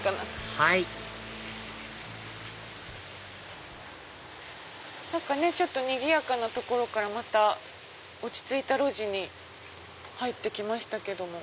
はい何かねちょっとにぎやかな所から落ち着いた路地に入って来ましたけども。